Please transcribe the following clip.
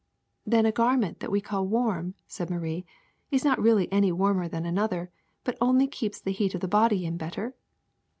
'^ Then a garment that we call warm, '' said Marie, *4s not really any warmer than another, but only keeps the heat of the body in better?''